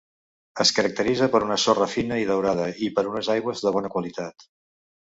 Es caracteritza per una sorra fina i daurada, i per unes aigües de bona qualitat.